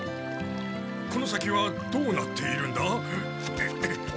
この先はどうなっているんだ？